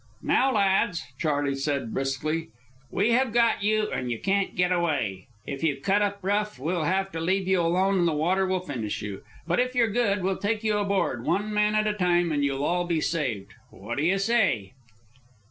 "Now, lads," Charley said briskly, "we have got you, and you can't get away. If you cut up rough, we'll have to leave you alone and the water will finish you. But if you're good, we'll take you aboard, one man at a time, and you'll all be saved. What do you say?"